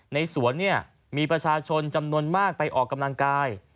ในสวนเนี่ยมีประชาชนจำนวนมากไปออกกำลังกาย